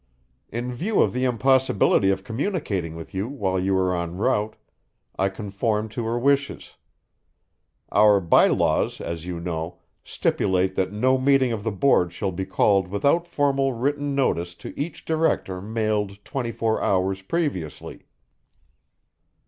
In view of the impossibility of communicating with you while you were en route, I conformed to her wishes. Our by laws, as you know, stipulate that no meeting of the board shall be called without formal written notice to each director mailed twenty four hours previously."